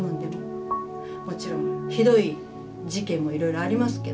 もちろんひどい事件もいろいろありますけど。